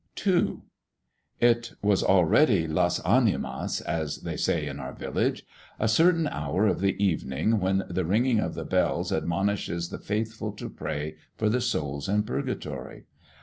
II. It was already las Ánimas, as they say in our village. A certain hour of the evening, when the ringing of bells admonishes the faithful to pray for the souls in purgatory.